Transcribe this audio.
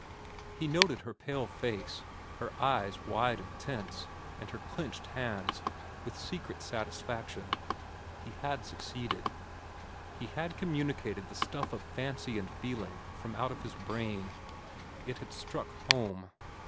He noted her pale face, her eyes wide and tense, and her clenched hands, with secret satisfaction. He had succeeded. He had communicated the stuff of fancy and feeling from out of his brain. It had struck home.